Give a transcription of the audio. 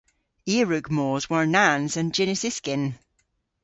I a wrug mos war-nans an jynnys-yskyn.